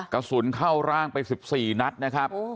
กระสุนเข้าร่างไป๑๔นัดนะครับ